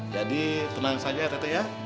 jadi tenang saja ya tete